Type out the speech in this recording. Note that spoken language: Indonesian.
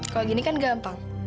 kalau gini kan gampang